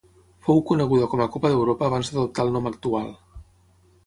Fou coneguda com a Copa d'Europa abans d'adoptar el nom actual.